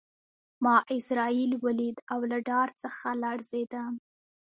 ما عزرائیل ولید او له ډار څخه لړزېدم